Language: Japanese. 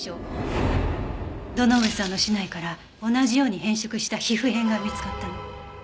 堂上さんの竹刀から同じように変色した皮膚片が見つかったの。